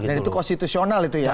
itu konstitusional itu ya